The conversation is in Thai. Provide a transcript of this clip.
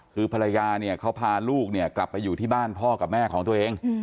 คือปลายยานี่เขาก็พาลูกกลับไปอยู่ที่บ้านพ่อกับแม่ของตัวเอง